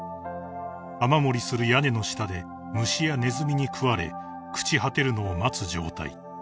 ［雨漏りする屋根の下で虫やネズミに食われ朽ち果てるのを待つ状態］